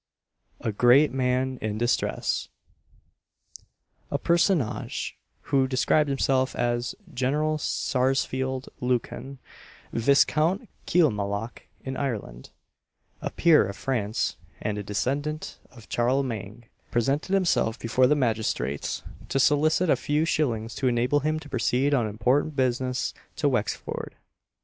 A GREAT MAN IN DISTRESS. A personage, who described himself as "General Sarsfield Lucan, Viscount Kilmallock in Ireland, a peer of France, and a descendant of Charlemagne," presented himself before the magistrates to solicit a few shillings to enable him to proceed on important business to Wexford.